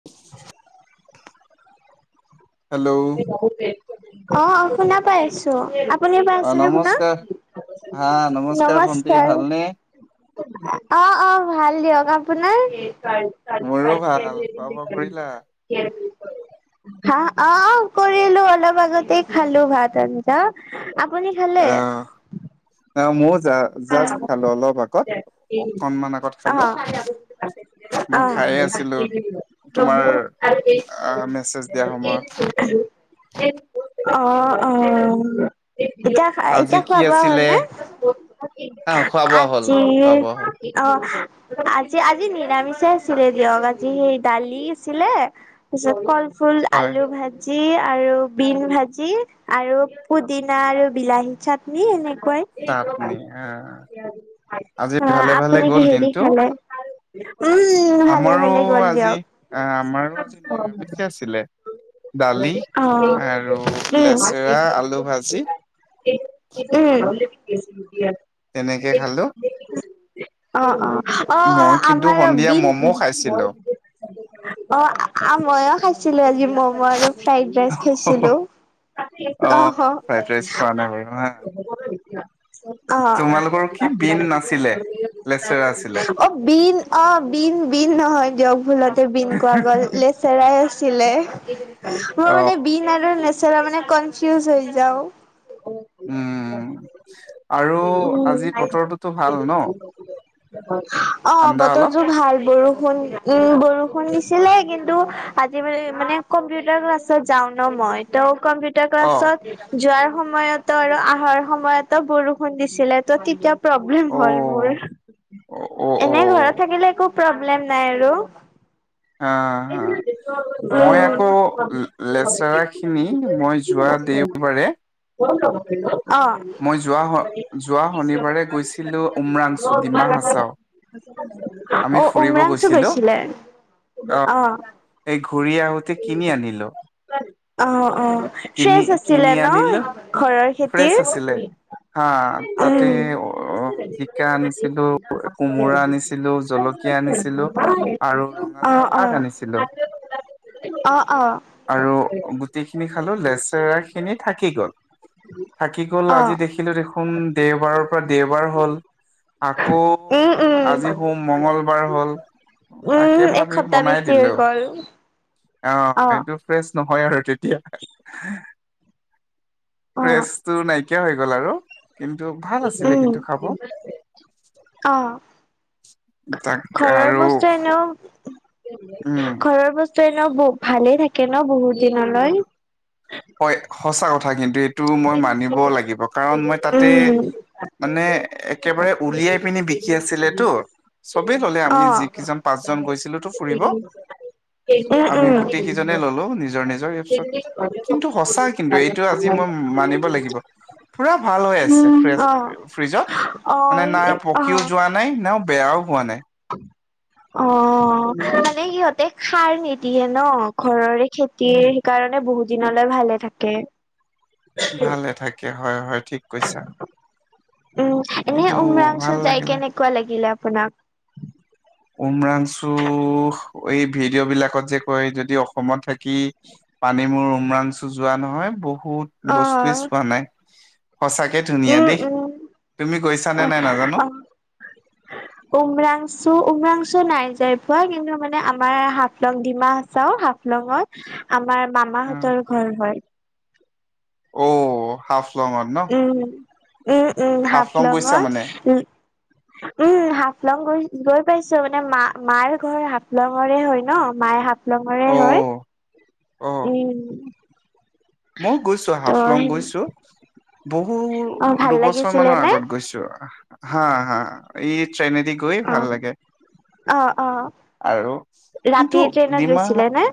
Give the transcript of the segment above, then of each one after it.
[unintelligible] Hello অ অ শুনা পাই আছো। আপুনি পাই অ আছেনে শুনা নমস্কাৰ হা ভন্টি নমস্কাৰ। ভালনে অ অ ভাল দিয়ক আপোনাৰ? মোৰো ভাল। খোৱা বোৱা কৰিলা? হা অ কৰিলো অলপ আগতে খালো ভাত আৰু। অ আপুনি খালে? অ মোৰজা। জাষ্ট খালো অলপ আগত অকনমান আগত খালো। [unintelligible] [unintelligible] মই খায়ে আছিলো তোমাৰ আহ মেছেজ দিয়া সময়ত অঁ-অঁ! ইতা আজি এতিয়া কি খোৱা-বোৱা হ'ল আছিলে নে? আহ খোৱা [unintelligible] বোৱা হ'ল আজি খোৱা বোৱা হ'ল [unintelligible] অ! আজি-আজি নিৰামিষ আছিলে দিয়ক। আজি সেই দালি আছিলে তাৰ পিছত কল ফুল, হয় আলু ভাজ [unintelligible] ভাজি আৰু বিন ভাজি আৰু পুদিনা আৰু বিলাহী চাটনি এনেকুৱাই। [unintelligible] চাটনি অঁ। আজি অ ভালে-ভালে আপুনি গ'ল কিহেদি দিনটো? [inaudible] খালে উম ভালে আমাৰো ভালে গ'ল আজি, দিয়ক আমাৰো আজি নিৰামিষে আছিলে। [unintelligible] দালি [unintelligible] অঁ! আৰু উম। লেচেৰা আলু ভাজি উম। [unintelligible] তেনেকে খালোঁ। [unintelligible] অঁ-অঁ! [inaudible] অ-অ মই কিন্তু আমাৰো সন্ধিয়া বিন ম'ম' [unintelligible] খাইছিলো। অ! [unintelligible] মইয়ো খাইছিলো আজি মম আৰু ফ্ৰাইড ৰাইচ খাইছিলোঁ। অ অঁ, আহ মই ফ্ৰাইড ৰাইচ খোৱা নাই বাৰু হা [unintelligible] [unintelligible] অ‍ঁ। তোমালোকৰ কি বিন নাছি [unintelligible] [unintelligible] অ বিন অ বিন-বিন নহয় দিয়ক ভুলতে বিন কোৱা গ'ল। [unintelligible] লেচেৰাই আছিলে। মই অ মানে বিন আৰু লেচে [unintelligible] লেচেৰা মানে কনফিউজ হৈ যাওঁ। [inaudible] উম! আৰু আজি বতৰটোতো ভাল ন? [inaudible] [unintelligible] অঁ! ঠাণ্ডা অলপ বতৰটো ভাল। বৰষুণ উম! বৰষুণ দিছিলে কিন্তু আজি [unintelligible] মানে কম্পিউটাৰ ক্লাছত যাওঁ ন মই। ত কম্পি [unintelligible] কম্পিউটাৰ অ ক্লাছত যোৱাৰ সময়তো আৰু অহাৰ সময়তো বৰষুণ দিছিলে ত তেতিয়া [unintelligible] প্ৰব্লেম অ হল মোৰ। অ অ এনেই ঘৰত থাকিলে একো প্ৰব্লেম নাই আৰু। [unintelligible] অ‍ঁ, হা। [unintelligible] অ [unintelligible] মই আকৌ লেচেৰাখিনি মই যোৱা দেওবাৰে [unintelligible] [unintelligible] অ‍ঁ মই যোৱা যোৱা শনিবাৰে গৈছিলো উমৰাংচু ডিমা হাচাও [unintelligible] আমি অ! ফুৰিব উমৰাংচো গৈছিলো গৈছিলে? অ আহ [unintelligible] এই ঘূৰি আহোঁতে কিনি আনিলো। [inaudible] অ-অ। কিনি ফ্ৰেচ কিনি আছিলে ন আনিলো ঘৰৰ ফ্ৰেছ খেতিৰ? আছিলে [unintelligible] হা তাতে উম, অ জিকা আনিছিলো, কোমোৰা আনিছিলো, জল [unintelligible] জলকীয়া আনিছিলো আৰু ৰঙালাও অ', আগ অ'। আনিছিলো। অ', অ', [unintelligible] আৰু গোটেইখিনি খালোঁ। লেচেৰাখিনি থাকি গ'ল। [unintelligible] [unintelligible] উম [unintelligible] থাকি গ'ল। আজি দেখিলোঁ দেখোন দেওবাৰৰ পৰা দেওবাৰ হ'ল আকৌ [inaudible] উম, উম। আজি সোম মঙ্গলবাৰ হ'ল উম, তাকে ভাবি এসপ্তাহ বনাই বেছি হৈ দিলো। গ'ল [unintelligible] অঁ! অ', এইটো ফ্ৰেছ নহয় আৰু তেতিয়া। [inaudible] অ', ফ্ৰেচটো নাইকিয়া হৈ গ'ল আৰু। [unintelligible] ভাল আছিলে উম! কিন্তু খাব অ! [unintelligible] তাক ঘৰৰ আৰু বস্তু এনেও [inaudible] উম। [unintelligible] ঘৰৰ বস্তু এনেও বহ ভালেই থাকে ন বহুত দিনলৈ। হয়, সঁচা কথা কিন্তু এইটো মই মানিব লাগিব কাৰণ মই তাতে উম, মানে একেবাৰে উলিয়াই পিনি বিকি আছিলেতো। চবে ললে আমি অ'। যিকিজন পাঁচজন গৈছিলোতো ফুৰিব উম, আমি গোটেই উম, কেইজনে ললো। নিজ নিজৰ ৰিপছত। কিন্তু সঁচা কিন্তু এইটো আজি মই মানিব লাগিব। পুৰা ভাল হৈ আছে ফ্ৰেজ অ', ফ্ৰিজত। মানে নাই অ', পকিও অ'। যোৱা নাই, নাও বেয়াও পোৱা নাই। অ', [inaudible] মানে সিহঁতে সাৰ নিদিয়ে ন, ঘৰৰে খেতিৰ সেইকাৰণে বহুত দিনলৈ ভালে থাকে। ভালে থাকে, হয় হয়, ঠিক কৈছা। উম। এনে কিন্তু ভাল উমৰাংছুত যাই লাগিলে। কেনেকুৱা লাগিলে আপোনাক? উমৰাংছু এই ভিডিঅ' বিলাকত যে কয়, যদি অসমত থাকি কি পানী মোৰ উমৰাংছু যোৱা নহয়, বহুত বস্তুৱে অ', চোৱা নাই। সঁচাকে ধুনীয়া উম, দেই, উম, তুমি গৈছানে নাই নাজানো। অ', উমৰাংচু উমৰাংচু নাই যাই পাৱা কিন্তু মানে আমাৰ হাফলং ডিমা চাও হাফলঙত আমাৰ মামাহতৰ ঘৰ হয়। অ, হাফলংত ন? উম। উম উম হাফলং গৈছা হাফলংত মানে উম। [inaudible] উম হাফলং গৈ গৈ পাইছো মানে মা মাৰ ঘৰ হাফলঙৰে হয় ন। মায়ে হাফ হাফলংৰে অ হয়। উম। মও গৈছো, ত হাফলং গৈছো। বহু অ ভাল দুবছৰ লাগিছিলে মানৰ নে আগত গৈছো। হা হা। ই ট্ৰেনেদি গৈ অ ভাল লাগে। অ অ আৰু? কিন্তু ৰাতিৰ ট্ৰেইনত ডিমা গৈছিলে নে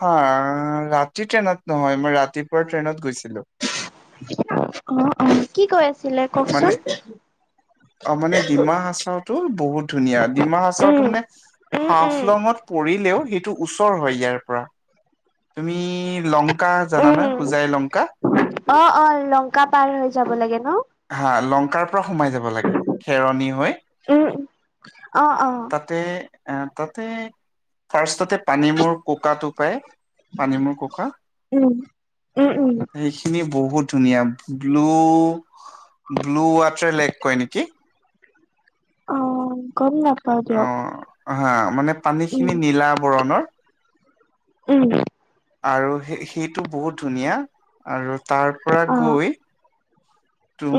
হা ৰাতি ট্ৰেইনত নহয়, মই ৰাতিপুৱা ট্ৰেইনত গৈছিলো। অ অ। কি কৈ আছিলে মানে কওকচোন? অ মানে ডিমা সাচাওতো বহুত ধুনীয়া। ডিমা সাচাওটো উম মানে উম উম হাফলঙত পৰিলেও, সেইটো ওচৰ হয় ইয়াৰ পৰা। তুমি লংকা জানা নে? উম হুজাই লংকা? অ অ, লংকা পাৰ হৈ যাব লাগে ন? হা। লংকাৰ পৰা সোমাই যাব যাব লাগে খেৰণী হৈ। উম অ অ তাতে তাতে ফাৰ্ষ্টতে পানী মূৰ কোকাটো পায়, পানী মোৰ কোকা। উম। উম উম। সেইখিনি বহুত ধুনীয়া ব্লু ব্লু ৱাটাৰ লেক কয় নেকি? অ। গম নেপাও অ দিয়ক। হা। মানে পানী উম খিনি নীলা বৰণৰ। উম। আৰু সে সেইটো বহুত ধুনীয়া আৰু তাৰ পৰা অ গৈ,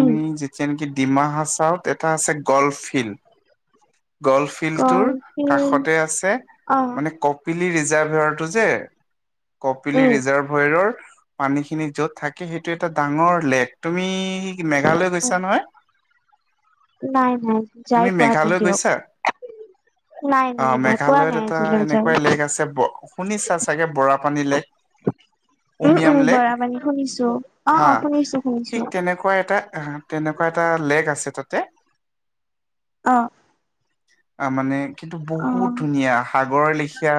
উম যেতিয়া নেকি ডিমা হাচাওত, এটা আছে গল্ফ ফিল্ড। গল্ড ফিল্ডটোৰ কফিল কাষতে আছে। অ মানে ক কপিলি ৰিজাৰ্ভাৰটো যে, কপিলি উম ৰিজাভয়ৰৰ? পানীখিনি য'ত থাকে সেইটো এটা ডাঙৰ লেক তুমি কি মেঘালয় গৈছা নহয় নাই নাই যাই তুমি পোৱা নাই মেঘালয় দিয়ক গৈছা [inaudible] নাই অ নাই নাই পোৱা মেঘালয়ত নাই এটা আজিলৈ যাই এনেকোৱাই লেক আছে ব শুনিছা চাগে বৰাপানী লেক উম উম উমিয়াম লেক বৰাপানী শুনিছো অ অ শুনিছো শুনিছো মই এটা তেনেকোৱা এটা লেক আছে তাতে অ আ মানে কিন্তু বহুত অ', ধুনীয়া সাগৰ লেখীয়া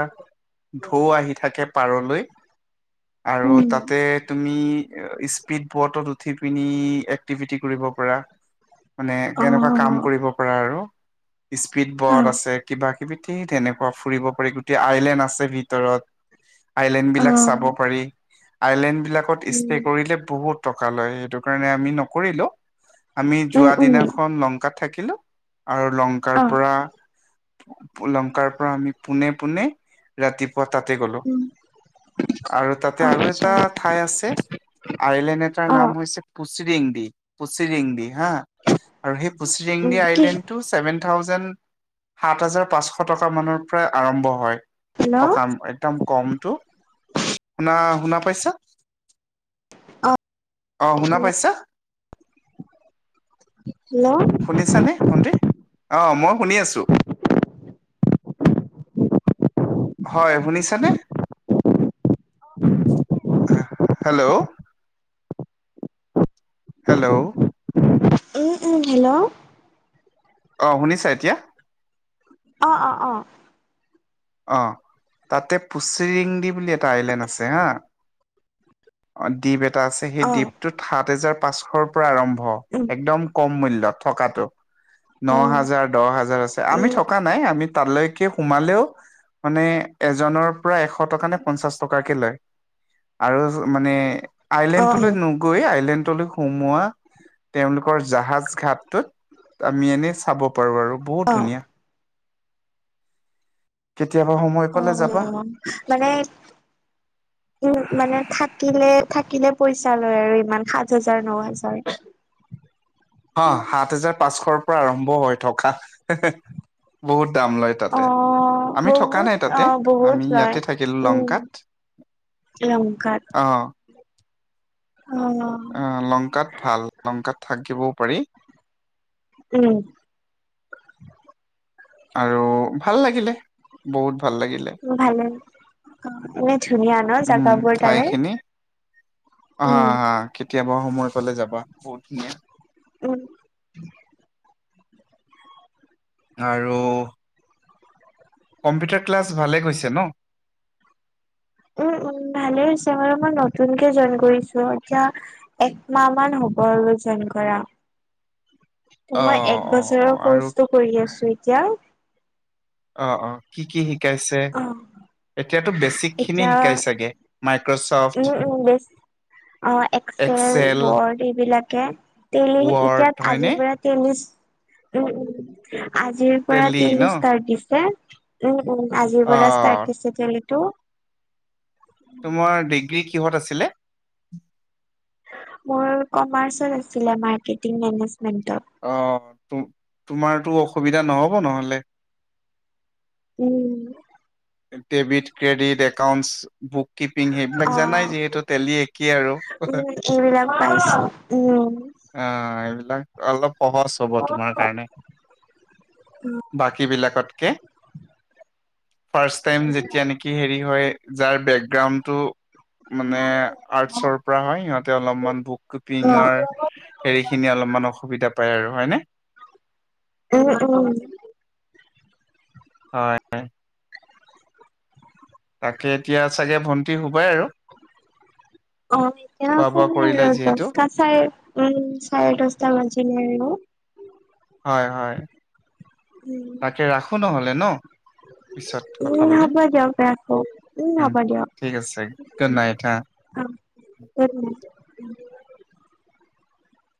ঢৌ আহি থাকে পাৰলৈ আৰু উম, তাতে তুমি এ স্পীড বটত উঠি পিনি এক্টিভিটি কৰিব পাৰা মানে কেনেকোৱা কাম অ', কৰিব পাৰা আৰু স্পীড বড অ', আছে কিবা কিবি ঠিক তেনেকোৱা ফুৰিব পাৰি গোটেই আইলেণ্ড আছে ভিতৰত আইলেণ্ডবিলাক চাব অ', পাৰি আইলেণ্ডবিলাকত ষ্টে উম, কৰিলে বহুত টকা লয় সেইটো কাৰণে আমি নকৰিলো আমি উম, যোৱা উম, দিনাখন লংকাত থাকিলো আৰু লংকাৰ অ', পৰা লংকাৰ পৰা আমি পোনে পোনে ৰাতি পুৱা তাতে গ'লো উম, আৰু তাতে আৰু আচ্ছা এটা ঠাই আছে আইলেণ্ড এটাৰ নাম অ', হৈছে পুচিৰিংদি পুচিৰিংদি হা আৰু সেই পুচিৰিংদি উম, কি আইলেণ্ডটো ছেভেন থাউজেণ্ড সাত হাজাৰ পাঁচশ টকা মানৰ পৰাই আৰম্ভ হয় হেল্ল' থকাম একদম কমটো শুনা শুনা পাইছা অ', অ শুনা হেল্ল' ছা হেল্ল' শুনি ছানে ভন্তি অ মই শুনি আছো হয় শুনিছানে হা হেল্ল হেল্ল উ উম হেল্ল অ শুনিছা এতিয়া অ অ অ অ তাতে পুচিৰিংদি বুলি এটা আইলেণ্ড আছে হা দ্বীপ এটা আছে সেই অ', দ্বীপটোত সাত হেজাৰ পাঁচশৰ পৰা আৰম্ভ উম, একদম কম মূল্যত থকটো অ', ন হাজাৰ দ হাজাৰ আছে আমি উম, থকা নাই আমি তালৈকে সোমালেও মানে এজনৰ পৰা এশ টকা নে পঞ্চাশ টকাকে লয় আৰু মানে আইলেণ্ডটোলৈ অ', নো গৈ আইলেণ্ডলৈ সোমোৱা তেওঁলোকৰ জাহাজ ঘাটটোত আমি এনেই চাব পাৰো আৰু বহুত অ', ধুনীয়া কেতিয়াবা সময় অ পালে যাবা মানে [inaudible] উম মানে থাকিলে থাকিলে পইচা লয় আৰু ইমান সাত হাজাৰ ন হাজাৰ অ সাত হেজাৰ পাঁচশৰ পৰা আৰম্ভ হৈ থকা হে হে বহুত দাম লয় অ তাতে আমি থকা বহুত নাই অ তাতে বহুত আমি লয় ইয়াতে থাকিলো উম লংকাত লংকাত অ অ অ লংকাত ভাল লংকাত থাকিবও পাৰি। উম, আৰু ভাল লাগিলে বহুত ভাল লাগিলে। ভালে অ এনেই ধুনীয়া ন উম জেগাবোৰ তাৰে। হ উম হা কেতিয়াবা সময় পালে যাবা বহুত ধুনীয়া। [unintelligible] আৰু কম্পিউটাৰ ক্লাছ ভালেই গৈছে ন। উম উম ভালে হৈছে বাৰু মই নতুনকে জইন কৰিছো এতিয়া একমাহ মান হ'ব আৰু জযন কৰা অ মই এক অ অ বছৰৰ আৰু কৰ্চটো কৰি আছো এতিয়া। অ অ কি কি শিকাইছে অ এতিয়াতো বেছিক খিনি এতিয়া শিকাই চাগে। মাইক্ৰ'ছফট উম উম বেছ অ এক্সেল, বৰ্ড এইবিলাকে তেলি এতিয়া ৱৰ্ড আজি হয়নে পৰা টেলি উম উম আজিৰ পৰা টেলি ষ্টাৰ্ট দিছে, উম উম আজিৰ অ পৰা ষ্টাৰ্টদিছে তেলিটো। তোমাৰ ডিগ্ৰী কিহত আছিলে। মোৰ কমাৰ্চত আছিলে মাৰ্কেটিং মেনেজমেন্টত। অ ত তোমাৰতো অসুবিধা নহ'ব নহলে। উম debit credit accounts. Book keeping সেইবিলাক অ জানাই যিহেতু টেলি একেই আৰু উম এইবিলাক পাইছো উম অ এইবিলাক, অলপ সহজ হ'ব তোমাৰ কাৰণে বাকী বিলাকতকে। ফাৰ্ষ্টটাইম যেতিয়া নেকি হেৰি হয় যাৰ বেগ ৰাউণ্ডটো, মানে আৰ্টছৰ, হয় সিহঁতে অলপমান অ বুকপিংৰ হেৰি খিনি অলপমান অসুবিধা পায় আৰু হয় নে। উম উম। হয়। তাকে এতিয়া চাগে ভণ্টি শুবাই আৰু অ এতিয়া খোৱা আক বোৱা কৰিলে আৰু যিহেতু দছটা চাৰে উ চাৰে দছটা বাজিলে আৰু হয় হয় উম তাকে ৰাখো নহ'লে ন। পিছত কথা উম পাতিম হ'ব দিয়ক ৰাখো উম হ'ব দিয়ক ঠিক আছে গদ নাইট হা অ উম।